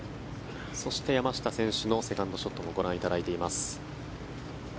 そして山下選手のセカンドショットもご覧いただいています。